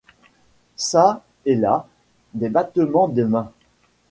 Çà et là, des battements de mains.